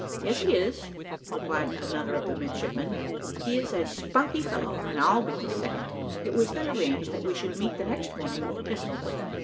"Yes, he is," replied another of the midshipmen. "He is a spunky fellow, and I'll be his second." It was then arranged that we should meet the next morning with pistols.